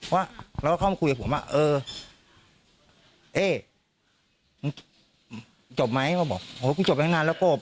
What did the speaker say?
แล้วเขามาคุยกับผมว่าเอ๊จบไหมผมบอกโอ้ยจบแค่นานแล้วกบ